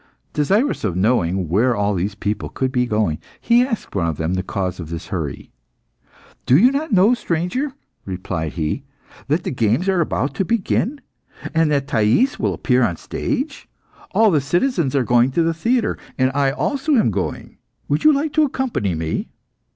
Desirous of knowing where all these people could be going, he asked one of them the cause of this hurry. "Do you not know, stranger," replied he, "that the games are about to begin, and that Thais will appear on the stage? All the citizens are going to the theatre, and I also am going. Would you like to accompany me?"